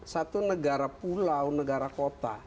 satu negara pulau negara kota